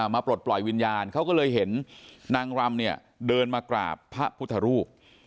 ปลดปล่อยวิญญาณเขาก็เลยเห็นนางรำเนี่ยเดินมากราบพระพุทธรูป